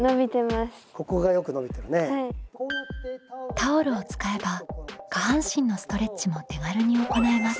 タオルを使えば下半身のストレッチも手軽に行えます。